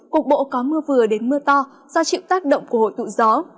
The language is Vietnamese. cục bộ có mưa vừa đến mưa to do chịu tác động của hội tụ gió